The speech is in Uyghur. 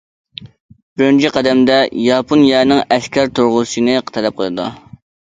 بىرىنچى قەدەمدە، ياپونىيەنىڭ ئەسكەر تۇرغۇزۇشىنى تەلەپ قىلىدۇ.